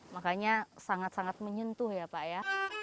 makanya sangat sangat menyentuh ya pak ya